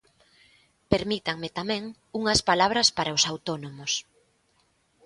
Permítanme tamén unhas palabras para os autónomos.